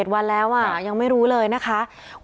๗วันแล้วยังไม่รู้เลยนะคะ